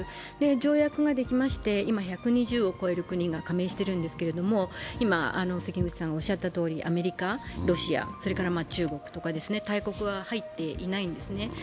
条約ができまして、今、１２０を超える国が加盟してるんですけどもアメリカ、ロシア、中国とか大国は入っていないんですね。